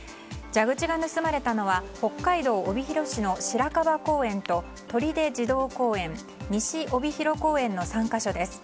蛇口が盗まれたのは北海道帯広市の白樺公園ととりで児童公園、西帯広公園の３か所です。